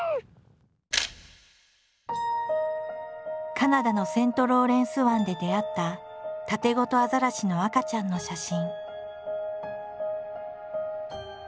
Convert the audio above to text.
カナダのセントローレンス湾で出会ったタテゴトアザラシの赤ちゃんの写真。